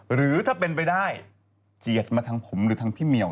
หรือถ้าเป็นไปได้เจียดมาทางผมหรือทางพี่เหมียว